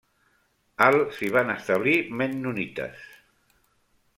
Al s'hi van establir mennonites.